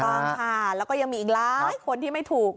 ต้องค่ะแล้วก็ยังมีอีกหลายคนที่ไม่ถูก